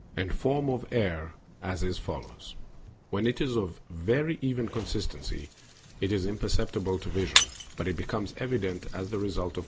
And the form of air is as follows :— When it is of a very even consistency, it is imperceptible to vision, but it becomes evident as the result of cold or * Cf.